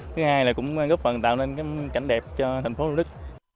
thứ hai là cũng góp phần tạo nên cảnh đẹp cho thành phố thủ đức